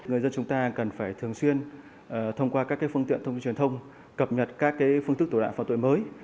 người dân chúng ta cần phải thường xuyên thông qua các cái phương tiện thông tin truyền thông cập nhật các cái phương tức tổ đoạn phạm tội mới